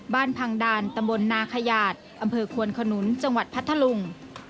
บ้านพังดาลตำบลนาขยาธิ์อำเภอขวนขนุนจังหวัดพัทลุง